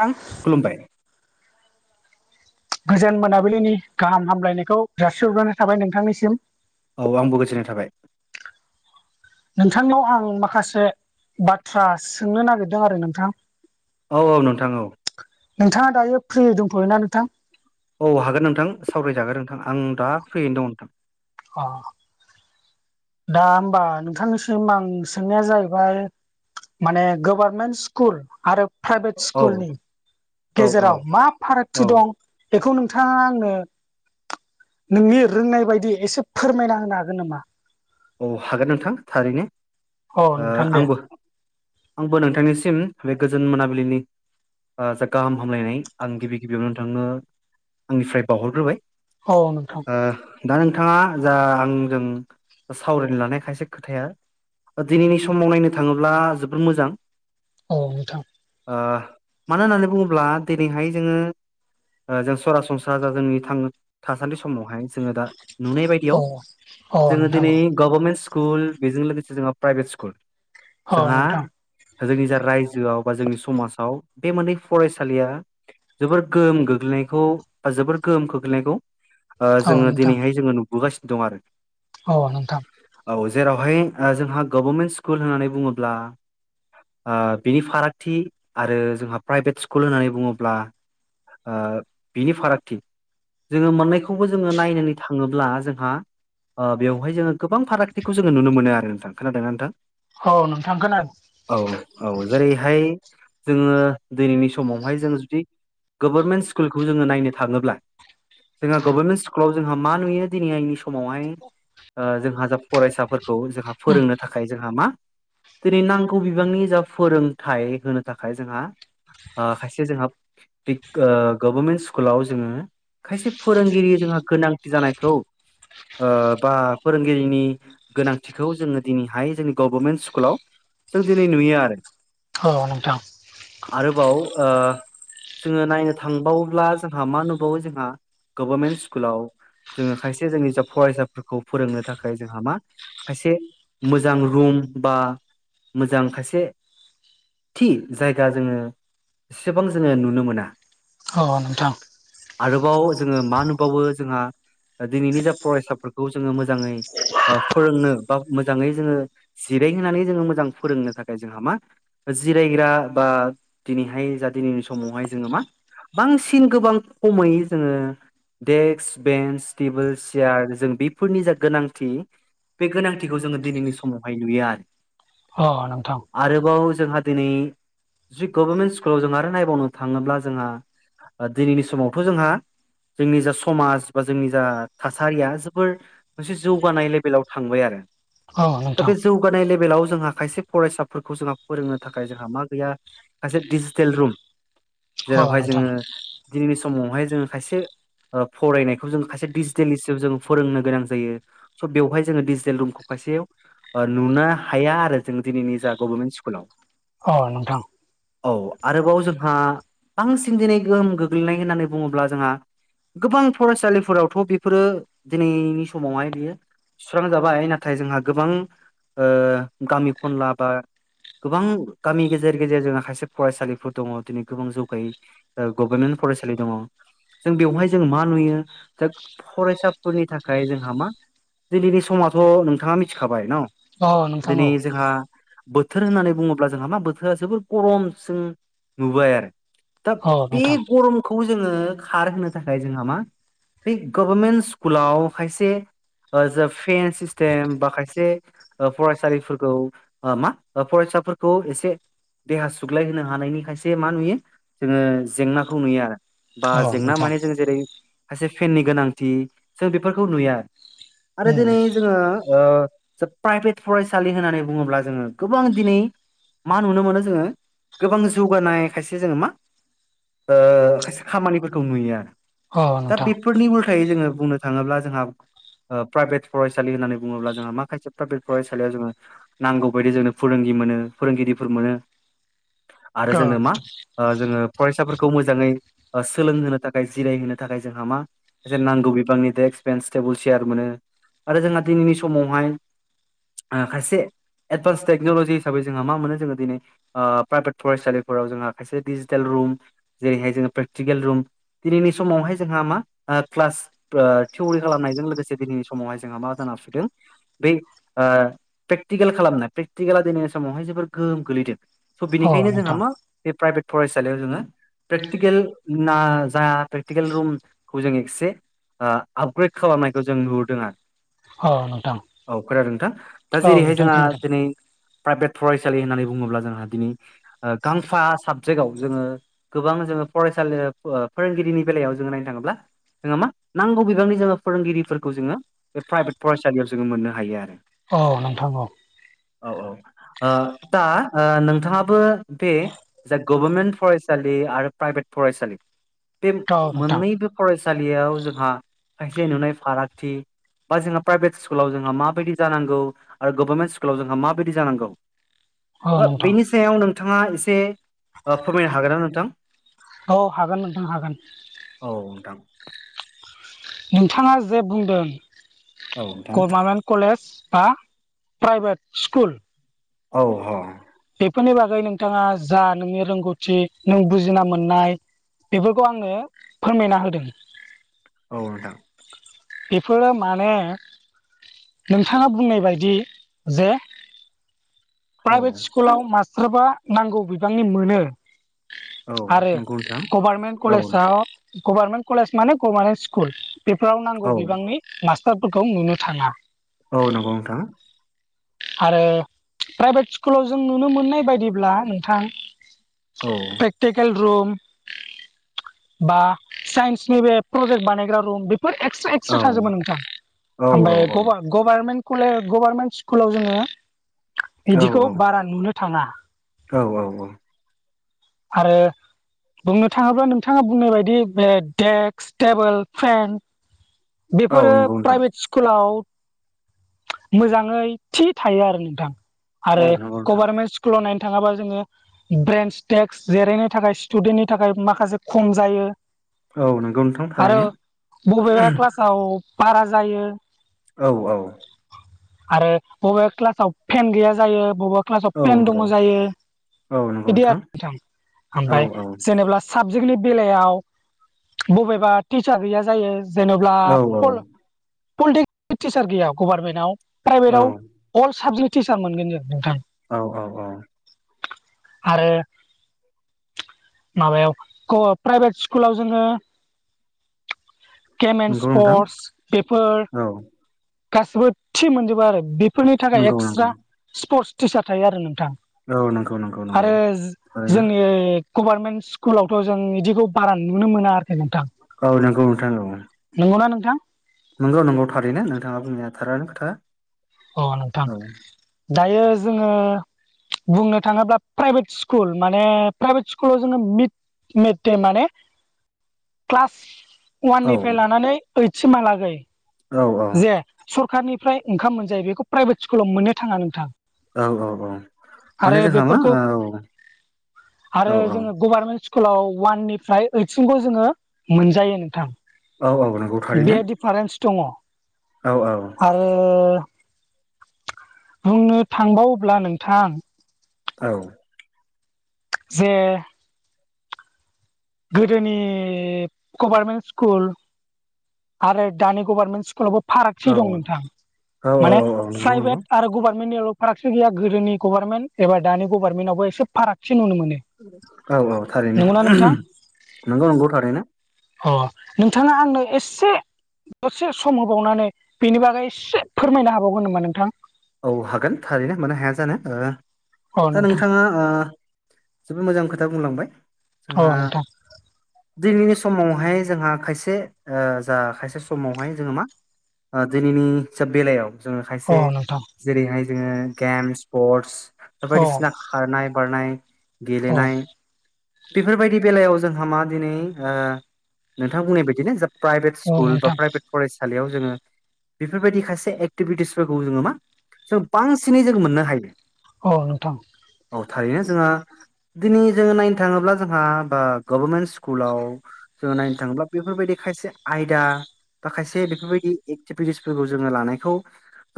नोंथां खुलुमबाय गोजोन मोनाबिलिनि गाहाम हामलायनायखौ जासिहरग्रोनाय थाबाय नोंथांनिसिम औ आंबो गोजोननाय थाबाय नोंथांनाव आं माखासे बाथ्रा सोंनो नागिरदों आरो नोंथां। औ औ नोंथां औ नोंथाङा दायो फ्रि दंथ'योना नोंथां? औ हागोन नोंथां सावरायजागोन नोंथां आं दा फ्रियैनो दं नोंथां। अ दा होमबा नोंथांनिसिम आं सोंनाया जाहैबाय माने गोभारनमेन्ट स्कुल आरो प्राइभेट औ स्कुलनि औ गेजेराव औ मा फारागथि दं? बेखौ नोंथाङा आंनो नोंनि रोंनाय बायदि एसे फोरमायना होनो हागोन नामा? औ हागोन नोंथां थारैनो औ ओ नोंथां दे आंबो आंबो नोंथांनिसिम बे गोजोन मोनाबिलिनि ओ जा गाहाम हामलायनाय आं गिबि गिबियावनो नोंथांनो आंनिफ्राय बावहरग्रोबाय। औ औ‌ नोंथां। ओ दा नोंथाङा जा आंजों सावरायनो लानाय खायसे खोथाया दिनैनि समाव नायनो थाङोब्ला जोबोर मोजां औ, नोंथां। ओ मानो होननानै बुङोब्ला दिनैहाय जोङो जों सरासनस्रा जा जोंनि थांना थासान्दि समावहाय जोङो दा नुनाय बायदियाव अ जोङो नों दिनै गोभारनमेन्ट स्कुल बेजों लोगोसे जोंहा प्राइभेट स्कुल औ जोंहा नोंथां जोंनि जा रायजोआव बा जोंनि समाजाव बे मोननै फरायसालिया जोबोर गोहोम गोग्लैनायखौ बा जोबोर गोहोम खोख्लैनायखौ ओ औ जोङो नोंथां दिनैहाय जोङो नुबोगासिनो दं आरो औ, नोंथां। औ जेरावहाय जोंहा गोभारमेन्ट स्कुल होननानै बुङोब्ला ओ बिनि फारागथि आरो जोंहा प्राइभेट स्कुल होननानै बुङोब्ला ओ बिनि फारागथि जोङो मोननायखौबो जोङो नायनानै थाङोब्ला जोंहा ओ बेवहाय जोङो गोबां फारागथिखौ जोङो नुनो मोनो आरो नोंथां। खोनादों ना नोंथां? औ नोंथां खोनादों औ औ जेरै बहाय जोङो दिनैनि समावहाय जों जुदि गोभारनमेन्ट स्कुलखौ जोङो नायनो थाङोब्ला जोंहा गोभार्नमेन्ट स्कुलाव जोंहा मा नुयो दिनै आंनि समावहाय ओ जोंहा जा फरायसाफोरखौ जोंहा उम फोरोंनो थाखाय जोंहा मा दिनै नांगौ बिबांनि जा फोरोंथाइ होनो थाखाय जोंहा ओ खायसे जोंहा बे ओ गोभार्मेन्ट स्कुलाव जोङो खायसे फोरोंगिरि जोंहा गोनांथि जानायखौ ओ बा फोरोंगिरिनि गोनांथिखौ जोङो दिनैहाय जोंनि गोभारनमेन्ट स्कुलाव जों दिनै नुयो आरो औ नोंथां। आरोबाव ओ जोङो नायनो थांबावोब्ला जोंहा मा नुबावो जोंहा गभर्मेन्ट स्कुलाव जोङो खायसे जोंनि जा फरायसा फोरखौ फोरोंनो थाखाय जोंहा मा खायसे मोजां रुम बा मोजां खायसे थि जायगा जोङो एसेबां जोङो नुनो मोना। अ अ नोंथां आरोबाव जोङो मा नुबावो जोंहा दिनैनि जा फरायसाफोर खौ जोङो मोजाङै ओ फोरोंनो बा मोजाङै जोङो जिरायहोनानै जोङो मोजां फोरोंनो थाखाय जोंहा मा जिरायग्रा बा दिनैहाय जा दिनैनि समावहाय जोङो मा बांसिन गोबां खमै जोङो डेक्स बेन्स टेबोल सियार जों बे फोरनि जा गोनांथि बे गोनांथिखौ जोङो दिनैनि समावहाय नुयो आरो। अ नोंथां। आरोबाव जोंहा दिनै जुदि गभर्नमेन्ट स्कुलाव जों आरो नायबावनो थाङोब्ला जोंहा दिनैनि समावथ' जोंहा जोंनि जा समाज बा जोंनि जा थासारिया जो बोर मोनसे जौगानाय लेभेलाव थांबाय आरो औ दा नोंथां बे जौ गानाय लेभेलाव जोंहा खायसे फरायसाफोरखौ जोंहा फोरोंनो थाखाय जोंहा मा गैया सासे डिजिटेल रुम औ जेरावहाय नोंथां जोङो दिनैनि समावहाय जोङो खायसे ओ फरायनायखौ जोङो खायसे डिजिटेलि जों फोरोंनो गोनां जायो स' बेवहाय जोङो डिजिटेल रुमखौ खायसेयाव नुनो हाया आरो जों दिनैनि जा गभर्नमेन्ट स्कुलाव। अ नोंथां। औ आरोबाव जोंहा बांसिन दिनै गोहोम गोग्लैनाय होननानै बुङोब्ला जोंहा गोबां फरायसालिफोरावथ' बेफोरो दिनैनि समावहाय बियो सुस्रांजाबाय नाथाय जोंहा गोबां ओ गामि खनला बा गोबां गामि गेजेर गेजेर जोंहा खायसे फरायसालिफोर दङ दिनै गोबां जौगायै गभर्मेन्ट फरायसालि दङ जों बेवहाय जों मा नुयो जा फरायसा फोरनि थाखाय जोंहा मा दिनैनि समाथ' नोंथाङा मिथिखाबाय न औ नोंथां दिनै जोंहा बोथोर होननानै बुङोब्ला जोंहा मा बोथोरा जोबोर गरमसिम नुबाय आरो। दा औ बे नोंथां गरमखौ जोङो खारहोनो थाखाय जोंहा मा बे गभारमेन्ट स्कुलाव खायसे जा फेन सिस्टेम बा खायसे ओ फरायसालिफोरखौ मा फरायसाफोरखौ एसे देहा सुग्लायहोनो हानायनि खायसे मा नुयो जोङो जेंनाखौ नुयो आरो। बा औ जेंना नोंथां माने जों जेरै खायसे फेननि गोनांथि जों बेफोरखौ नुयो आरो। आरो उम दिनै जोङो ओ जा प्राइभेट फरायसालि होननानै बुङोब्ला जोङो गोबां दिनै मा नुनो मोनो जोङो गोबां जौगानाय खायसे जोङो मा ओ खायसे खामानिफोरखौ नुयो आरो औ दा नोंथां बेफोरनि उल्थायै जोङो बुंनो थाङोब्ला जोंहा ओ प्राइभेट फरायसालि होननानै बुङोब्ला जोंहा माखासे प्राइभेट फरायसालियाव जोङो नांगौबायदि जोंनो फोरोंगिरि मोनो फोरोंगिरिफोर मोनो आरो औ जोंनो मा ओ जोङो फरायसाफोरखौ मोजाङै ओ सोलोंहोनो थाखाय जिरायहोनो थाखाय जोंहा मा खायसे नांगौ बिबांनि डेक्स बेन्स टेबोल चेयार मोनो आरो जोंहा दिनैनि समावहाय ओ खायसे एडभान्स टेक्न'लजि हिसाबै जोंहा मा मोनो जोङो दिनै ओ प्राइभेट फरायसालिफोराव जोंहा खायसे डिजिटेल रुम जेरैहाय जोङो प्रेकटिकेल रुम दिनैनि समावहाय जोंहा मा ओ क्लास ओ थिउरि खालामनायजों लोगोसे दिनैनि समावहाय जोंहा मा जाना फैदों बै ओ प्रेकटिकेल खालामनाय प्रेकटिकेला दिनैनि समावहाय जोबोर गोहोम गोलैदों। स' औ बिनिखायनो जोंहा नोंथां मा बे प्राइभेट फरायसालियाव जोङो प्रेकटिकेल ना जा प्रेकटिकेल रुमखौ जों एसे ओ आपग्रेड खालामनायखौ जों नुहुरदों आरो। औ नोंथां औ नोंथां औ खोनादों नोंथां दा जेरैहाय जोंहा खोनादों दिनै प्राइभेट फरायसालि होननानै बुङोब्ला जोंहा दिनै ओ गांफा साबजेक्टआव जोङो गोबां जोङो फरायसालि ओ फोरोंगिरिनि बेलायाव जोङो नायनो थाङोब्ला जोङो मा नांगौ बिबांनि जोङो फोरोंगिरिफोरखौ जोङो बे प्राइभेट फरायसालियाव जोङो मोननो हायो आरो। औ नोंथां औ। ओ दा नोंथाङाबो बे जा गभर्मेन्ट फरायसालि आरो प्राइभेट फरायसालि। बे औ नोंथां मोननैबो फरायसालियाव जोंहा खायसे नुनाय फारागथि बा जोंहा प्राइभेट स्कुलाव जोंहा माबायदि जानांगौ आरो गभारनमेन्ट स्कुलाव जोंहा माबायदि जांगौ औ नोंथां बेनि सायाव नोंथाङा एसे ओ फोरमायनो हागोन ना नोंथां? औ हागोन नोंथां हागोन औ नोंथां नोंथाङा जे बुंदों औ नोंथां गभमेन्ट कलेज बा प्राइभेट स्कुल औ औ बेफोरनि बागै नोंथाङा जा नोंनि रोंगौथि नों बुजिना मोननाय बेफोरखौ आंनो फोरमायना होदों। औ नोंथां बेफोरो माने नोंथाङा बुंनाय बायदि जे औ प्राइभेट स्कुलाव मास्टारफ्रा नांगौ बिबांनि मोनो औ आरो नंगौ नोंथां गभारमेन्ट औ कलेजाव गभारमेन्ट कलेज माने गभारनमेन्ट स्कुल बेफोराव नांगौ औ बिबांनि मास्टारफोरखौ नुनो थाङा। औ नंगौ नोंथां आरो प्राइभेट स्कुलाव जों नुनो मोननाय बायदिब्ला नोंथां औ प्रेक्टिकेल रुम बा साइन्सनि बे प्रजेक्ट बानायग्रा रुम बेफोर एक्सट्रा औ एक्सट्रा थाजोबो नोंथां ओमफ्राय औ औ गभारमेन्ट कले गभारनमेन्ट स्कुलाव जोङो बिदिखौ औ औ बारा नुनो थाङा। औ औ औ आरो बुंनो थाङोब्ला नोंथाङा बुंनाय बायदि बे डेक्स, टेबोल, फेन, औ बेफोरो नंगौ नोंथां प्राइभेट स्कुलाव मोजाङै थि थायो आरो नोंथां औ आरो नंगौ नोंथां गभारमेन्ट स्कुल लाव नायनो थाङाबा जोङो ब्रेन्स डेक्स जिरायनो थाखाय स्टुडेन्टनि थाखाय माखासे खम जायो। औ नोंगौ नोंथां थारैनो औ बारा जायो। औ औ आरो बबेबा क्लासाव फेन गैया जायो बबेबा क्लासाव औ पेन नंगौ दङ जायो औ नंगौ बिदि आरो नोंथां औ ओमफ्राय जेनेबा साबजेक्टनि बेलायाव बबेबा टिचार गैया जायो। जेनब्ला औ पल-पलिटिक्सनि टिचार गैया गभारमेन्टआव प्राइभेटआव अल साबजेक्ट टिचार मोनगोन जों नोंथां औ औ औ आरो माबायाव प्राइभेट स्कुलाव जोङो गेम एन्ड नंगौ नोंथां स्पर्टस बेफोर औ गाससिबो थि मोनजोबो आरो फोरनि थाखाय नंगौ नंगौ एक्सट्रा स्पर्टस टिचार थायो आरो नोंथां औ नंगौ नंगौ नंगौ आरो थारैनो जोंनि गभारनमेन्ट स्कुलावथ' जों बिदिखौ बारा नुनो मोना आरो नोंथां औ नंगौ नोंथां औ नंगौना नोंथां नंगौ नंगौ थारैनो नोंथाङा बुंनाय थारानो खोथा। अ नोंथां औ दायो जोङो बुंनो थाङोब्ला प्राइभेट स्कुल माने प्राइभेट स्कुलाव जोङो मिड मे माने क्लास औ वाननिफ्राय लानानै ओइटसिमहालागै औ जे सरखारनिफ्राय ओंखाम मोनजायो बेखौ प्राइभेट स्कुलाव मोननो थाङा नोंथां। औ औ औ आरो माने जोंहा मा बेफोरखौ औ औ आरो जो गभारनमेन्ट स्कुलाव ववाननिफ्राय ओइदसिमखौ जोङो मोनजायो नोंथां औ औ नंगौ थारैनो फारेन्स दङ औ औ आरो बुंनो थांबाव्ला नोंथां औ जे गोदोनि गभारमेन्ट स्कुल आरो दानि गभारमेन्ट स्कुलावबो फारागथि औ दं नोंथां औ माने औ औ नंगौ नंगौ प्राइभेट आरो गभारनमेन्टनियावल' फारागसो गैया गोदोनि गभारनमेन्ट एबा दानि गभारनमेन्टआवबो एसे फागथि नु मोनो औ औ थारैनो नंगौना नोंथां नंगौ नंगौ थारैनो अ नोंथाङा आंनो एसे दसे सम होबावनानै बेनि बागै एसे फोरमायनो हाबावगोन नामा नोंथां औ हागोन थारैनो मानो हाया जानो ओ औ दा नोंथां नोंथाङाओ जोबोद मोजां खोथा बुंलांबाय जोंहा औ नोंथां दिनैनि समावहाय जोंहा खायसे ओ जोंहा खायसे समावहाय जोङो मा ओ दिनैनि सोब बेलायाव जोङो खायसे औ नोंथां जेरैहाय जोङो गेमस स्पर्टस औ बायदिसिना खारनाय बारनाय औ गेलेनाय बेफोरबायदि बेलायाव जोंहा मा दिनै ओ नोंथाङा बुंनाय बायदिनो ज प्राइभेट औ स्कुल बा नोंथां प्राइभेट फरायसालियाव जोङो बेफोरबायदि खायसे एक्टिभिटिसफोरखौ जोङो मा जों बांसिनै जों मोननो हायो औ नोंथां औ थारैनो जोंहा दिनै जोङो नायनो थाङोब्ला जोंहा ओ बा गभारनमेन्ट स्कुलाव जोङो नायनो थाङोब्ला बेफोरबायदि खायसे आयदा माखायसे बेफोरबायदि एक्टिभिटिसफोरखौ जोङो लानायखौ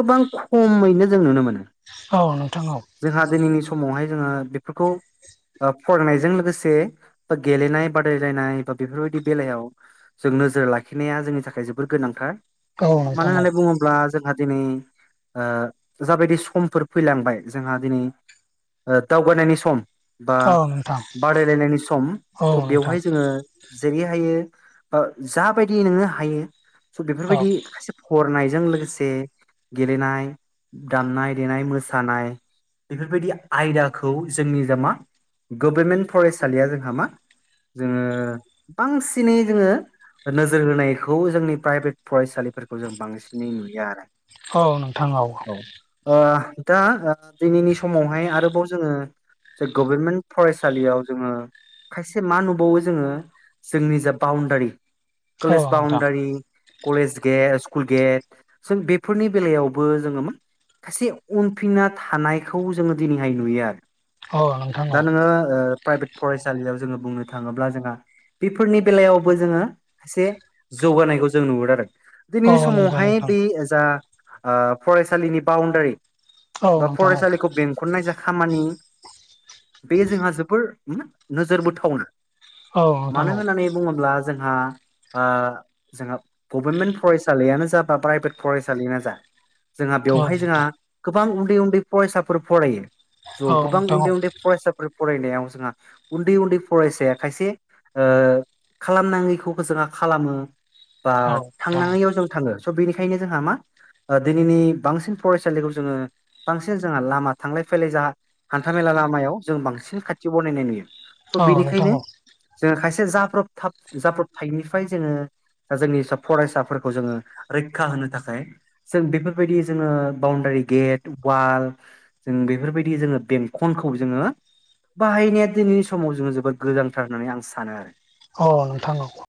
गोबां खमैनो जों नुनो मोनो औ नोंथां औ जोंहा दिनैनि समावहाय जोङो बेफोरखौ फरायनायजों लोगोसे ब गेलेनाय बादायलायनाय बा बेफोरबायदि बेलायाव जों नोजोर लाखिनाया जोंनि थाखाय जोबोर गोनांथार औ नोंथां औ मानो नोंथां होननानै बुङोब्ला जोंहा दिनै ओ जाबायदि समफोर फैलांबाय जोंहा दिनै ओ दावगानायनि सम बा औ नोंथां बादायलायनायनि सम औ स' बेवहाय नोंथां जोङो जेरै हायो ओ जाबायदि नोङो हायो स' औ बेफोरबायदि खायसे हरनायजों लोगोसे गेलेनाय दामनाय देनाय मोसानाय बेफोरबायदि आयदाखौ जोंनि द मा गभारमेन्ट फरायसालिया जोंहा मा जोङो बांसिनै जोङो नोजोर होनायखौ जोंनि प्राइभेट फरायसालिफोरखौ जों बांसिनै नुया आरो। औ नोंथां औ दा दिनैनि समावहाय आरोबाव जोङो जे गभर्मेन्ट फरायसालियाव जोङो खायसे मा नुबावो जोङो जोंनि जा boundary college boundary college gate school gate सों बेफोरनि बेलायाव बो जोङो खायसे उनफिनना थानायखौ जोङो दिनैहाय नुयो आरो। औ नोंथां दा औ नोङो प्राइभेट फरायसालियाव जोङो बुंनो थाङोब्ला जोंहा। बेफोरनि बेलायावबो जोङो सासे जौगानायखौ जों नुहुरदों आरो। दिनैनि औ नंगौ समावहाय नोंथां बे जा फरायसालिनि बाउणडारि औ बा नोंथां औ फरायसालिखौ बेंखननाय जा खामानि बे जोंहा जोबोर नोजोर बथावनो औ नोंथां औ मानो होननानै बुङोब्ला जोंहा जोंहा गभर्मेन्ट फरायसालियानो जा बा प्राइभेट फरायसालियानो जा जोंहा औ बेवहाय जोंहा नोंथां गोबां उन्दै उन्दै फरायसाफोर फरायो ज' औ गोबां नोंथां औ उन्दै उन्दै फरायसाफोर फरायनायाव जोंहा उन्दै उन्दै फरायसाया खायसे खालामनाङैखौ जोंहा खालामो बा औ नोंथां थांनाङैाव जों थाङो स' बेनिखायनो जोंहा मा दिनैनि बांसिन फरायसालिखौ जोङो बांसिन जोंहा लामा थांलाय फैलाय जों हान्थाामेला लामायाव जों बांसिन खाथियाव बनायनाय नुयो। थ' औ नोंथां बेनिखायनो औ जोङो खायसे जाब्रबथ जाब्रबथायनिफ्राय जोङो दा जोंनि फरायसाफोरखौ जोङो रैखा होनो थाखाय जों बेफोरबायदि जोङो बाउणडारि गेट वाल जों बेफोरबायदि जोङो बेंखनखौ जोङो बाहायनाया दिनैनि समाव जोङो जोबोद गोजांथार होननानै आं सानो आरो। अ नोंथांनाव